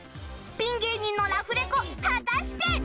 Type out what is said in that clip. ピン芸人のラフレコ果たして